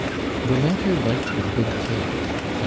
The latter liked a good table and h.'